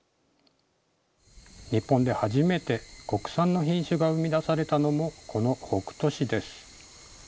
日本で初めて国産の品種が生み出されたのもこの北杜市です。